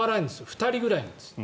２人くらいなんです。